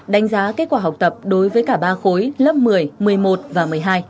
đánh giá kết quả học tập đối với cả ba khối lớp một mươi một mươi một và một mươi hai